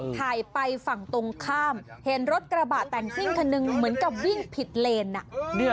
ถ่ายไปฝั่งตรงข้ามเห็นรถกระบะแต่งซิ่งคันหนึ่งเหมือนกับวิ่งผิดเลน